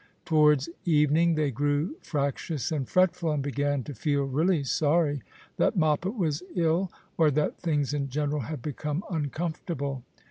Towards evening they grew fractious and fretful, and began to feel really sorry that Moppet was ill, or that things in general had become uncomfortable.